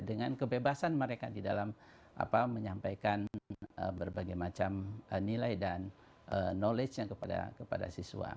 dengan kebebasan mereka di dalam menyampaikan berbagai macam nilai dan knowledge nya kepada siswa